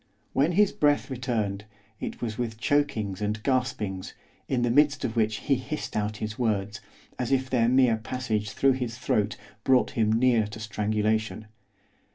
When his breath returned, it was with chokings and gaspings, in the midst of which he hissed out his words, as if their mere passage through his throat brought him near to strangulation.